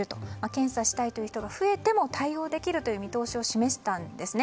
検査したいという人が増えても対応できるという見通しを示したんです。